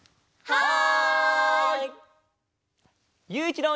はい！